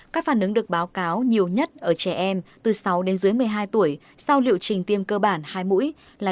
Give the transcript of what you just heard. các phản ứng được báo cáo nhiều nhất ở trẻ em từ sáu đến dưới một mươi hai tuổi sau liệu trình tiêm cơ bản hai mũi là